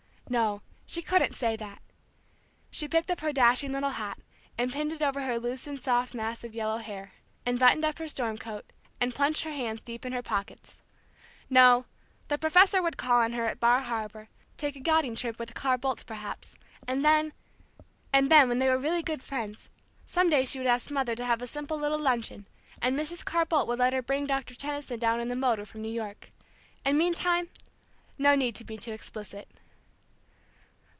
No, she couldn't say that. She picked up her dashing little hat, and pinned it over her loosened soft mass of yellow hair, and buttoned up her storm coat, and plunged her hands deep in her pockets. No, the professor would call on her at Bar Harbor, take a yachting trip with the Carr Boldts perhaps, and then and then, when they were really good friends, some day she would ask. Mother to have a simple little luncheon, and Mrs. Carr Boldt would let her bring Dr. Tenison down in the motor from New York. And meantime no need to be too explicit.